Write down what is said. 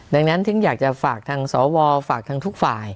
ดังนั้นถึงอยากจะฝากทางสวฝากทางทุกฝ่าย